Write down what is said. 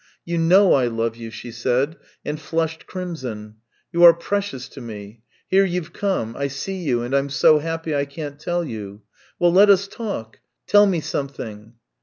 " You know I love you," she said, and flushed crimson. " You are precious to me. Here you've come. I see you, and I'm so happy I can't tell you. Well, let us talk. Tell me something."